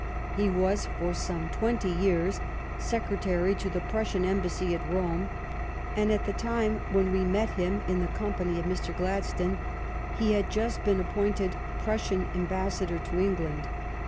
He was for some twenty years Secre tary to the Prussian Embassy at Rome, and at the time when we met him in the company of Mr. Gladstone he had just been appointed Prus sian Ambassador to England.